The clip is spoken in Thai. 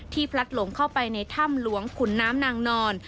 พลัดหลงเข้าไปในถ้ำหลวงขุนน้ำนางนอน